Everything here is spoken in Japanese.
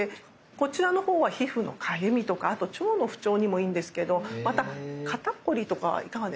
こちらのほうは皮膚のかゆみとかあと腸の不調にもいいんですけどまた肩凝りとかはいかがですか？